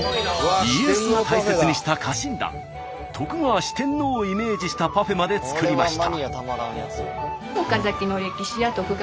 家康が大切にした家臣団徳川四天王をイメージしたパフェまで作りました。